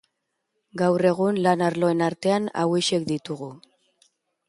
Gaur egun, lan-arloen artean hauexek ditugu.